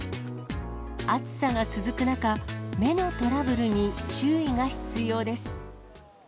暑さが続く中、目のトラブルに注意が必要です。